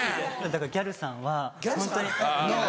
だからギャルさんはホントにノー。